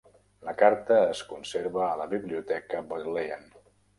La carta es conserva a la Biblioteca Bodleian.